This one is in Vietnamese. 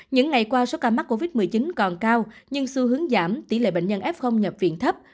những ngày qua số ca mắc covid một mươi chín còn cao nhưng xu hướng giảm tỷ lệ bệnh nhân f nhập viện thấp